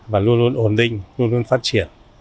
và luôn luôn ổn định luôn luôn phát triển